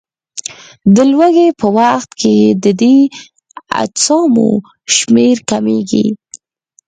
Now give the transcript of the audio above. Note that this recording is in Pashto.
د لوږې په وخت کې د دې اجسامو شمېر کمیږي.